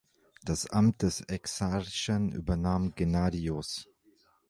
Das Amt des Exarchen übernahm Gennadios.